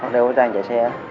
đeo cái trang chạy xe